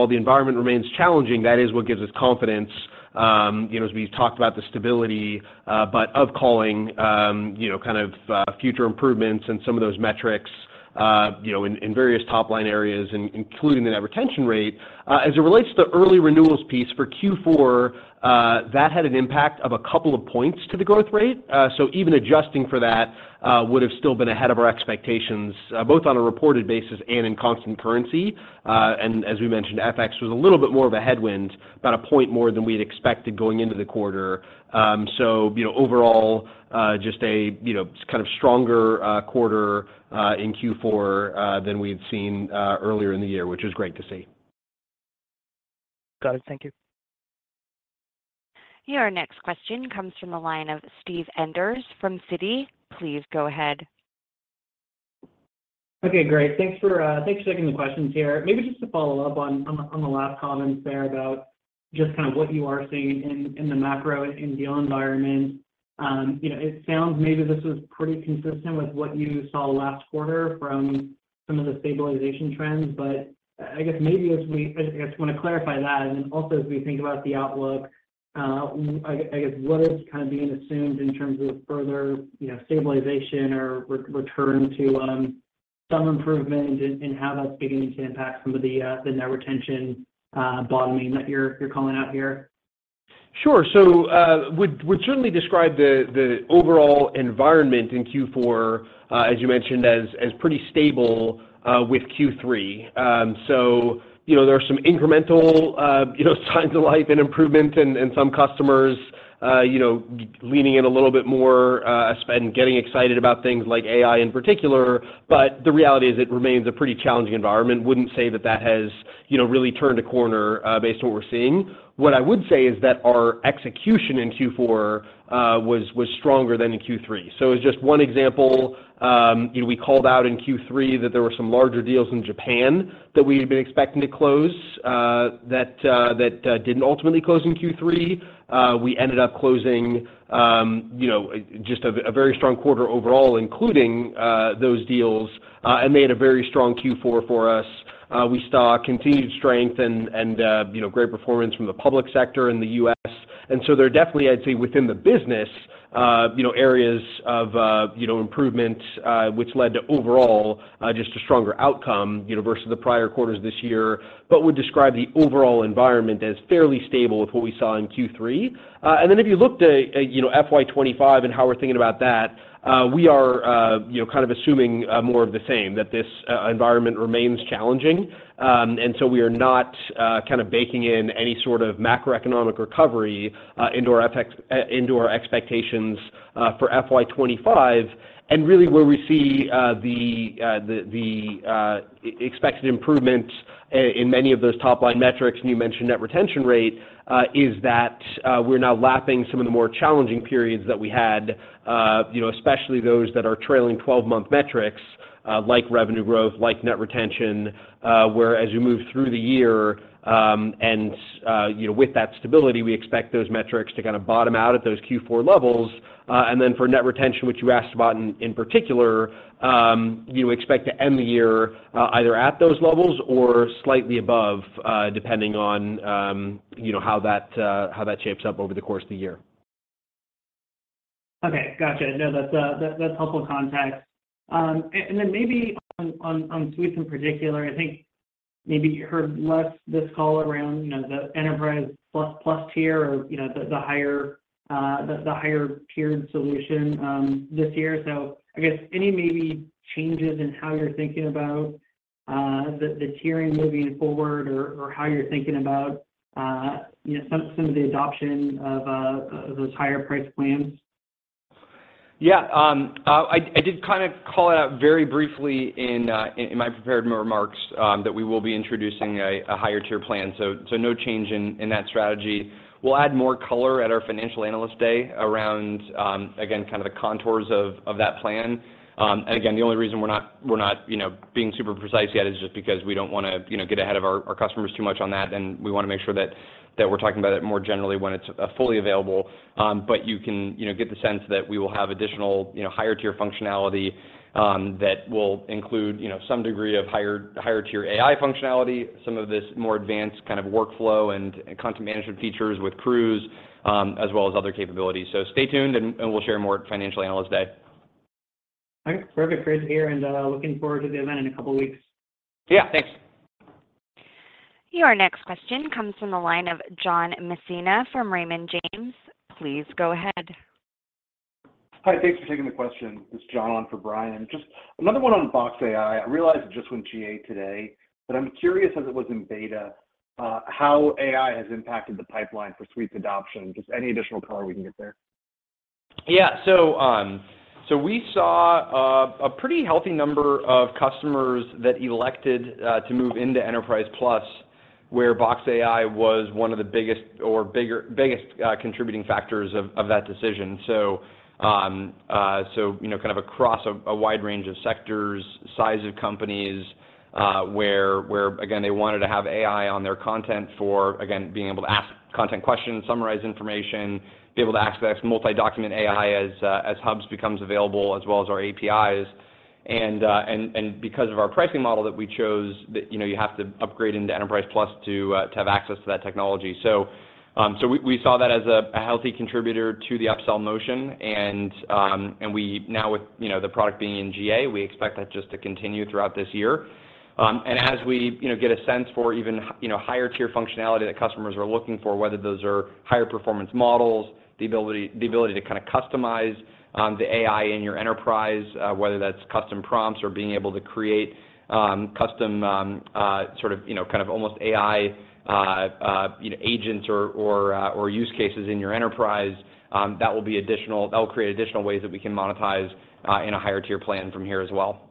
the environment remains challenging, that is what gives us confidence, you know, as we talked about the stability, but of calling, you know, kind of, future improvements and some of those metrics, you know, in various top-line areas, including the net retention rate. As it relates to early renewals piece for Q4, that had an impact of a couple of points to the growth rate. So even adjusting for that, would have still been ahead of our expectations, both on a reported basis and in constant currency. And as we mentioned, FX was a little bit more of a headwind, about a point more than we had expected going into the quarter. So, you know, overall, just a, you know, kind of stronger quarter in Q4 than we've seen earlier in the year, which is great to see. Got it. Thank you. Your next question comes from the line of Steve Enders from Citi. Please go ahead. Okay, great. Thanks for, thanks for taking the questions here. Maybe just to follow up on the last comments there about just kind of what you are seeing in the macro and deal environment. You know, it sounds maybe this is pretty consistent with what you saw last quarter from some of the stabilization trends, but I guess maybe as we, I just wanna clarify that, and then also, as we think about the outlook, I guess, what is kind of being assumed in terms of further, you know, stabilization or return to some improvement and how that's beginning to impact some of the net retention bottoming that you're calling out here? Sure. So, would certainly describe the overall environment in Q4, as you mentioned, as pretty stable with Q3. So, you know, there are some incremental, you know, signs of life and improvement and some customers, you know, leaning in a little bit more spend, getting excited about things like AI in particular. But the reality is, it remains a pretty challenging environment. Wouldn't say that has, you know, really turned a corner, based on what we're seeing. What I would say is that our execution in Q4 was stronger than in Q3. So as just one example, you know, we called out in Q3 that there were some larger deals in Japan that we had been expecting to close, that didn't ultimately close in Q3. We ended up closing, you know, just a very strong quarter overall, including those deals, and they had a very strong Q4 for us. We saw continued strength and you know, great performance from the public sector in the U.S. And so there are definitely, I'd say, within the business, you know, areas of you know, improvement, which led to overall, just a stronger outcome, you know, versus the prior quarters this year. But would describe the overall environment as fairly stable with what we saw in Q3. And then if you looked, you know, FY 25 and how we're thinking about that, we are, you know, kind of assuming more of the same, that this environment remains challenging. And so we are not kind of baking in any sort of macroeconomic recovery into our expectations for FY 25. And really, where we see the expected improvement in many of those top-line metrics, and you mentioned net retention rate, is that we're now lapping some of the more challenging periods that we had, you know, especially those that are trailing 12-month metrics, like revenue growth, like net retention, where as you move through the year, and, you know, with that stability, we expect those metrics to kind of bottom out at those Q4 levels. And then for net retention, which you asked about in particular, you expect to end the year either at those levels or slightly above, depending on you know, how that shapes up over the course of the year. Okay, gotcha. No, that's helpful context. And then maybe on Suites in particular, I think maybe you heard less this call around, you know, the Enterprise Plus tier or, you know, the higher tiered solution this year. So I guess any maybe changes in how you're thinking about the tiering moving forward or how you're thinking about, you know, some of the adoption of those higher price plans? Yeah, I did kinda call it out very briefly in my prepared remarks that we will be introducing a higher tier plan, so no change in that strategy. We'll add more color at our financial analyst day around again kind of the contours of that plan. And again, the only reason we're not you know being super precise yet is just because we don't wanna you know get ahead of our customers too much on that, and we wanna make sure that we're talking about it more generally when it's fully available. But you can, you know, get the sense that we will have additional, you know, higher tier functionality, that will include, you know, some degree of higher, higher tier AI functionality, some of this more advanced kind of workflow and content management features with Crooze, as well as other capabilities. So stay tuned, and, and we'll share more at financial analyst day. All right. Perfect, great to hear, and looking forward to the event in a couple of weeks. Yeah, thanks. Your next question comes from the line of John Messina from Raymond James. Please go ahead. Hi, thanks for taking the question. It's John on for Brian. Just another one on Box AI. I realize it just went GA today, but I'm curious, as it was in beta, how AI has impacted the pipeline for Suites adoption. Just any additional color we can get there? Yeah. So, so we saw a pretty healthy number of customers that elected to move into Enterprise Plus, where Box AI was one of the biggest or bigger-biggest contributing factors of that decision. So, so, you know, kind of across a wide range of sectors, size of companies, where, where again, they wanted to have AI on their content for, again, being able to ask content questions, summarize information, be able to access multi-document AI as as hubs becomes available, as well as our APIs. And, and, and because of our pricing model that we chose, that, you know, you have to upgrade into Enterprise Plus to have access to that technology. So, we saw that as a healthy contributor to the upsell motion, and we now with, you know, the product being in GA, we expect that just to continue throughout this year. And as we, you know, get a sense for even higher tier functionality that customers are looking for, whether those are higher performance models, the ability to kinda customize the AI in your enterprise, whether that's custom prompts or being able to create custom sort of, you know, kind of almost AI, you know, agents or use cases in your enterprise, that will be additional, that will create additional ways that we can monetize in a higher tier plan from here as well.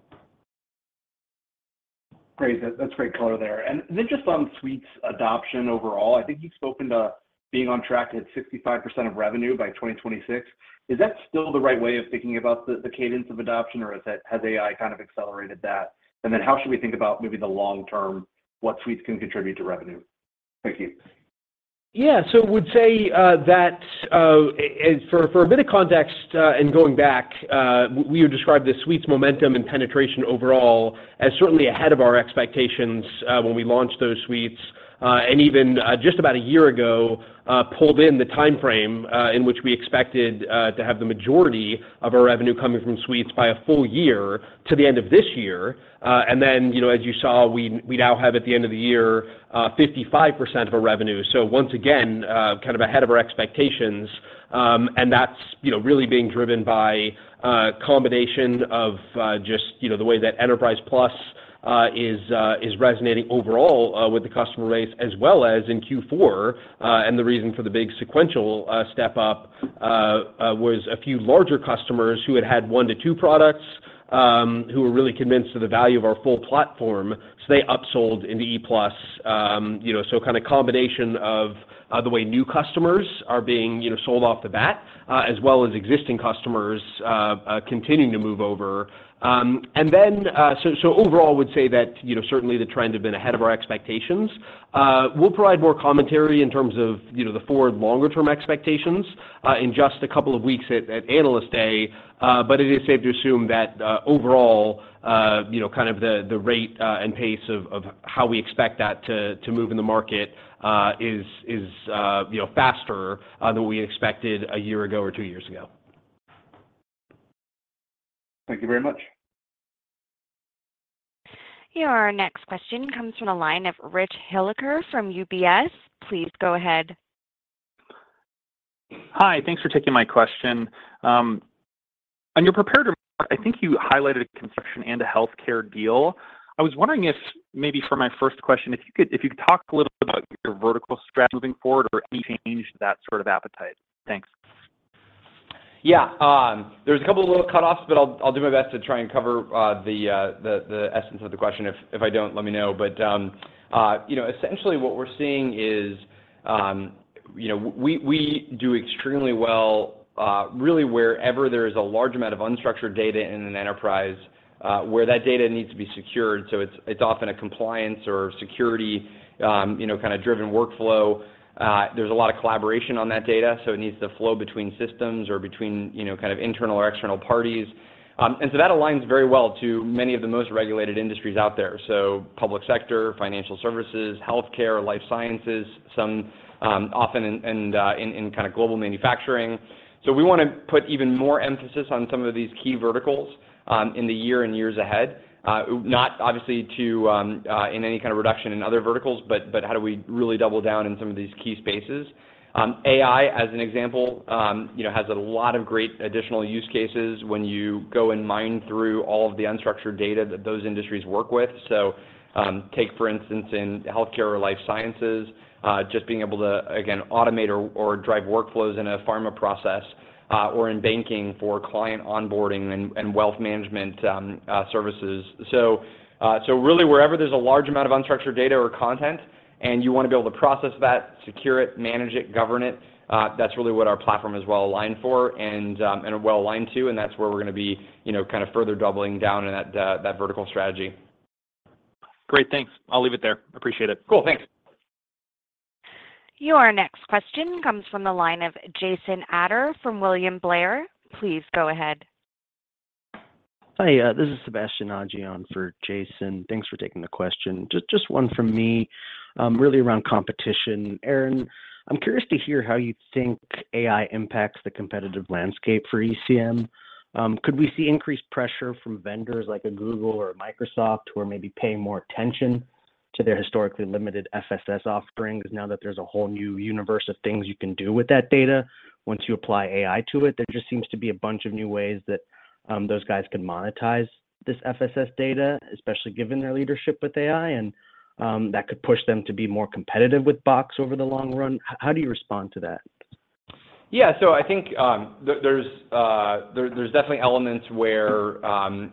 Great. That, that's great color there. And then just on Suites adoption overall, I think you've spoken to being on track to hit 65% of revenue by 2026. Is that still the right way of thinking about the, the cadence of adoption, or has that- has AI kind of accelerated that? And then how should we think about maybe the long term, what Suites can contribute to revenue? Thank you. Yeah. So I would say that, and for a bit of context, in going back, we would describe the suites momentum and penetration overall as certainly ahead of our expectations, when we launched those suites. And even just about a year ago, pulled in the time frame in which we expected to have the majority of our revenue coming from Suites by a full year to the end of this year. And then, you know, as you saw, we now have, at the end of the year, 55% of our revenue. So once again, kind of ahead of our expectations, and that's, you know, really being driven by a combination of just, you know, the way that Enterprise Plus is resonating overall with the customer base as well as in Q4. The reason for the big sequential step up was a few larger customers who had had 1-2 products, who were really convinced of the value of our full platform, so they upsold into E Plus. You know, so kind of combination of the way new customers are being, you know, sold off the bat, as well as existing customers continuing to move over. And then, so overall, I would say that, you know, certainly the trend have been ahead of our expectations. We'll provide more commentary in terms of, you know, the forward longer-term expectations in just a couple of weeks at Analyst Day. But it is safe to assume that, overall, you know, kind of the rate and pace of how we expect that to move in the market is you know faster than we expected a year ago or two years ago. Thank you very much. Your next question comes from the line of Rich Hilliker from UBS. Please go ahead. Hi, thanks for taking my question. On your prepared remark, I think you highlighted a construction and a healthcare deal. I was wondering if maybe for my first question, if you could talk a little bit about your vertical strategy moving forward, or any change to that sort of appetite? Thanks. Yeah, there's a couple of little cutoffs, but I'll do my best to try and cover the essence of the question. If I don't, let me know. But you know, essentially what we're seeing is, you know, we do extremely well really wherever there is a large amount of unstructured data in an enterprise where that data needs to be secured. So it's often a compliance or security you know kind of driven workflow. There's a lot of collaboration on that data, so it needs to flow between systems or between you know kind of internal or external parties. And so that aligns very well to many of the most regulated industries out there. So public sector, financial services, healthcare, life sciences, some often in and in kind of global manufacturing. So we wanna put even more emphasis on some of these key verticals in the year and years ahead. Not obviously to in any kind of reduction in other verticals, but how do we really double down in some of these key spaces? AI, as an example, you know, has a lot of great additional use cases when you go and mine through all of the unstructured data that those industries work with. So, take, for instance, in healthcare or life sciences, just being able to, again, automate or drive workflows in a pharma process, or in banking for client onboarding and wealth management services. So really wherever there's a large amount of unstructured data or content, and you wanna be able to process that, secure it, manage it, govern it, that's really what our platform is well aligned for and, and well aligned to, and that's where we're gonna be, you know, kind of further doubling down in that, that vertical strategy. Great, thanks. I'll leave it there. Appreciate it. Cool. Thanks. Your next question comes from the line of Jason Ader from William Blair. Please go ahead. Hi, this is Sebastien Naji for Jason. Thanks for taking the question. Just, just one from me, really around competition. Aaron, I'm curious to hear how you think AI impacts the competitive landscape for ECM. Could we see increased pressure from vendors like a Google or a Microsoft, who are maybe paying more attention to their historically limited FSS offerings now that there's a whole new universe of things you can do with that data once you apply AI to it? There just seems to be a bunch of new ways that, those guys could monetize this FSS data, especially given their leadership with AI, and, that could push them to be more competitive with Box over the long run. How, how do you respond to that? Yeah. So I think, there's definitely elements where,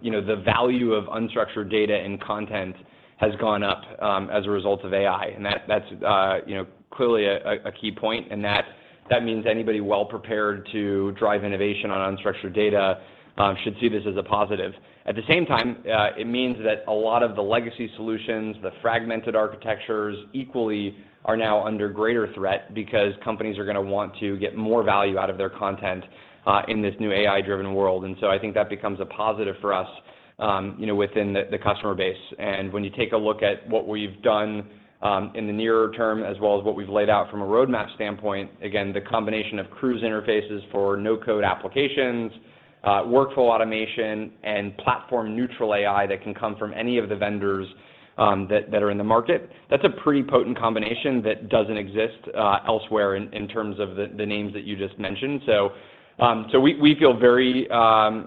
you know, the value of unstructured data and content has gone up, as a result of AI, and that's, you know, clearly a key point, and that means anybody well prepared to drive innovation on unstructured data, should see this as a positive. At the same time, it means that a lot of the legacy solutions, the fragmented architectures, equally are now under greater threat because companies are gonna want to get more value out of their content, in this new AI-driven world. And so I think that becomes a positive for us, you know, within the customer base. And when you take a look at what we've done, in the nearer term, as well as what we've laid out from a roadmap standpoint, again, the combination of Crooze interfaces for no-code applications, workflow automation, and platform-neutral AI that can come from any of the vendors, that are in the market, that's a pretty potent combination that doesn't exist, elsewhere in terms of the names that you just mentioned. So, so we feel very, you know,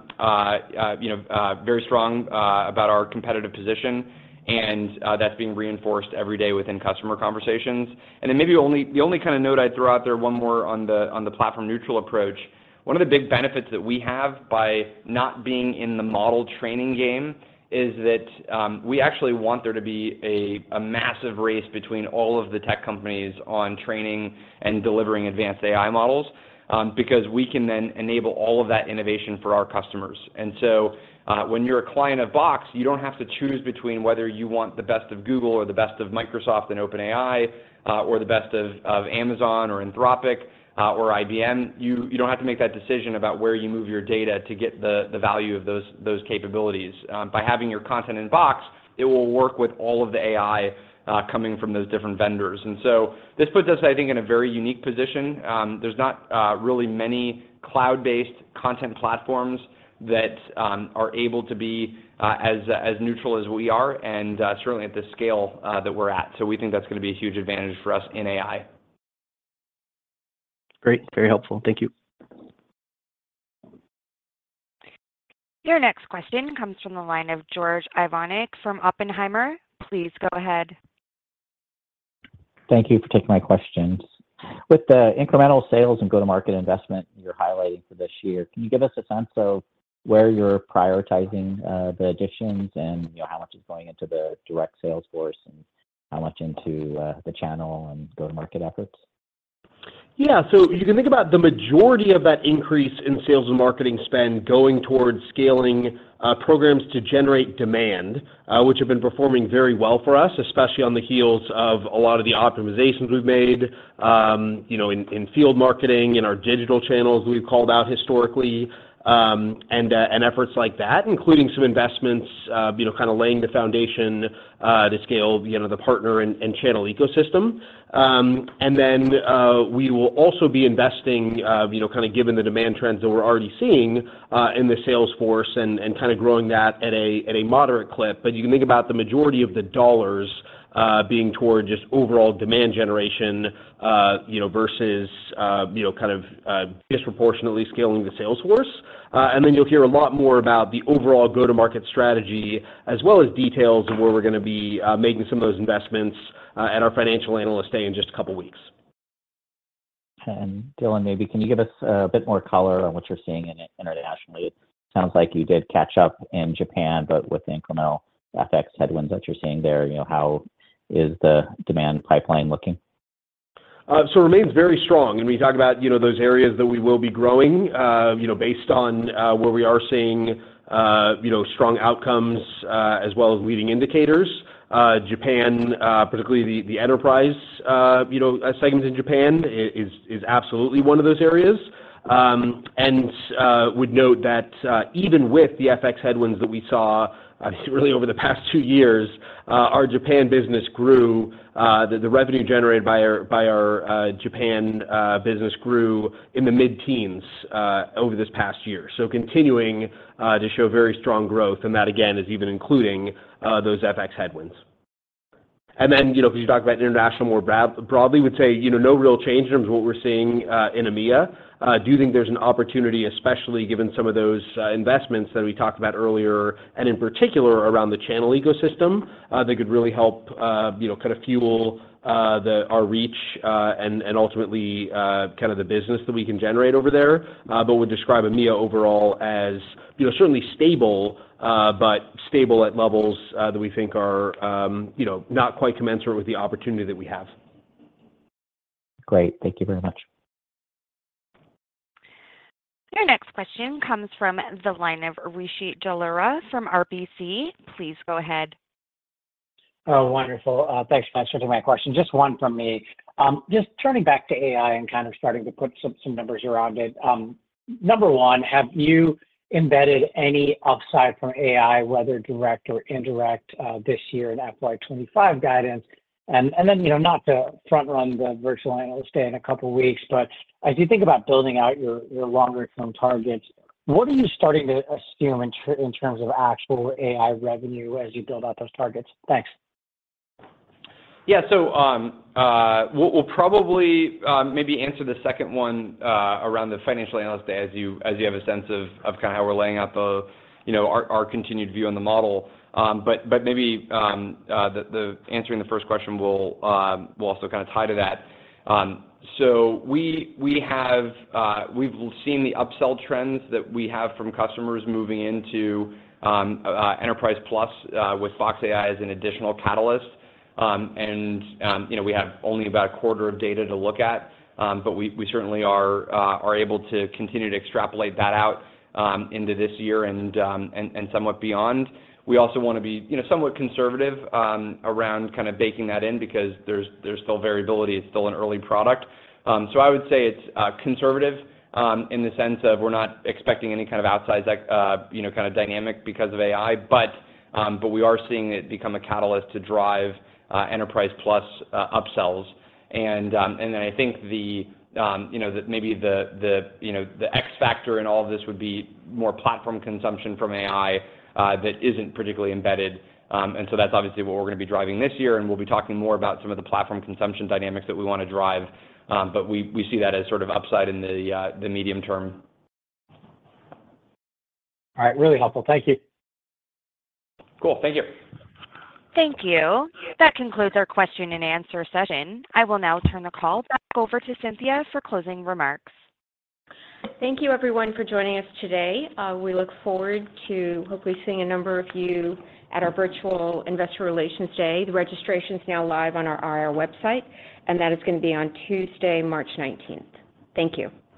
very strong about our competitive position, and that's being reinforced every day within customer conversations. And then maybe the only, the only kind of note I'd throw out there, one more on the platform-neutral approach. One of the big benefits that we have by not being in the model training game is that, we actually want there to be a massive race between all of the tech companies on training and delivering advanced AI models, because we can then enable all of that innovation for our customers. And so, when you're a client of Box, you don't have to choose between whether you want the best of Google or the best of Microsoft and OpenAI, or the best of, of Amazon or Anthropic, or IBM. You don't have to make that decision about where you move your data to get the value of those capabilities. By having your content in Box, it will work with all of the AI, coming from those different vendors. This puts us, I think, in a very unique position. There's not really many cloud-based content platforms that are able to be as neutral as we are and certainly at the scale that we're at. So we think that's gonna be a huge advantage for us in AI. Great, very helpful. Thank you. Your next question comes from the line of George Iwanyc from Oppenheimer. Please go ahead. Thank you for taking my questions. With the incremental sales and go-to-market investment you're highlighting for this year, can you give us a sense of where you're prioritizing, the additions and, you know, how much is going into the direct sales force, and how much into, the channel and go-to-market efforts? Yeah. So you can think about the majority of that increase in sales and marketing spend going towards scaling programs to generate demand, which have been performing very well for us, especially on the heels of a lot of the optimizations we've made, you know, in field marketing, in our digital channels we've called out historically, and efforts like that, including some investments, you know, kind of laying the foundation to scale, you know, the partner and channel ecosystem. And then, we will also be investing, you know, kind of given the demand trends that we're already seeing, in the sales force and kind of growing that at a moderate clip. But you can think about the majority of the dollars being toward just overall demand generation, you know, versus, you know, kind of, disproportionately scaling the sales force. And then you'll hear a lot more about the overall go-to-market strategy, as well as details of where we're gonna be making some of those investments, at our financial analyst day in just a couple weeks. And Dylan, maybe can you give us a bit more color on what you're seeing in, internationally? It sounds like you did catch up in Japan, but with the incremental FX headwinds that you're seeing there, you know, how is the demand pipeline looking? So it remains very strong. And we talk about, you know, those areas that we will be growing, you know, based on, where we are seeing, you know, strong outcomes, as well as leading indicators. Japan, particularly the enterprise, you know, segments in Japan, is absolutely one of those areas. And would note that, even with the FX headwinds that we saw, really over the past two years, our Japan business grew, the revenue generated by our Japan business grew in the mid-teens, over this past year. So continuing to show very strong growth, and that, again, is even including those FX headwinds. You know, if you talk about international more broadly, would say, you know, no real change in terms of what we're seeing in EMEA. Do think there's an opportunity, especially given some of those investments that we talked about earlier, and in particular, around the channel ecosystem, that could really help, you know, kind of fuel our reach, and ultimately, kind of the business that we can generate over there. But would describe EMEA overall as, you know, certainly stable, but stable at levels that we think are, you know, not quite commensurate with the opportunity that we have. Great. Thank you very much. Your next question comes from the line of Rishi Jaluria from RBC. Please go ahead. Oh, wonderful. Thanks for answering my question. Just one from me. Just turning back to AI and kind of starting to put some numbers around it. Number one, have you embedded any upside from AI, whether direct or indirect, this year in FY 25 guidance? And then, you know, not to front run the virtual analyst day in a couple of weeks, but as you think about building out your longer term targets, what are you starting to assume in terms of actual AI revenue as you build out those targets? Thanks. Yeah. So, we'll probably maybe answer the second one around the financial analyst day as you have a sense of kind of how we're laying out the, you know, our continued view on the model. But maybe answering the first question will also kind of tie to that. So we've seen the upsell trends that we have from customers moving into Enterprise Plus with Box AI as an additional catalyst. And you know, we have only about a quarter of data to look at, but we certainly are able to continue to extrapolate that out into this year and somewhat beyond. We also want to be, you know, somewhat conservative around kind of baking that in because there's still variability. It's still an early product. So I would say it's conservative in the sense of we're not expecting any kind of outsized you know kind of dynamic because of AI, but we are seeing it become a catalyst to drive Enterprise Plus upsells. Then I think that maybe the X factor in all of this would be more platform consumption from AI that isn't particularly embedded. So that's obviously what we're gonna be driving this year, and we'll be talking more about some of the platform consumption dynamics that we wanna drive, but we see that as sort of upside in the medium term. All right. Really helpful. Thank you. Cool. Thank you. Thank you. That concludes our question and answer session. I will now turn the call back over to Cynthia for closing remarks. Thank you, everyone, for joining us today. We look forward to hopefully seeing a number of you at our Virtual Investor Relations Day. The registration is now live on our IR website, and that is gonna be on Tuesday, March 19. Thank you.